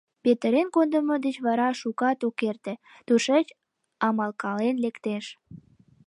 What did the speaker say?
Петырен кодымо деч вара шукат ок эрте, тушеч амалкален лектеш.